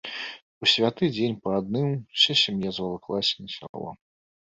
У святы дзень па адным уся сям'я звалаклася на сяло.